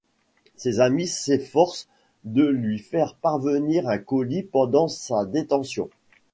Ses amis s’efforcent de lui faire parvenir un colis pendant sa détention.